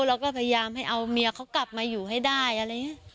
เราก็พยายามให้เอาเมียเขากลับมาอยู่ให้ได้อะไรอย่างนี้